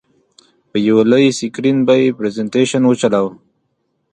په یو لوی سکرین به یې پرزینټېشن وچلوو.